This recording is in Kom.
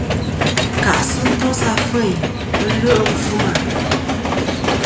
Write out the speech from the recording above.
Kà'sɨ tos afeyn ɨlwe' fɨma.